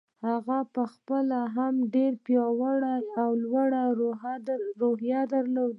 هغه په خپله هم ډېره پياوړې او لوړه روحيه درلوده.